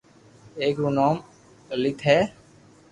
ايڪ رو نوم لليت ھي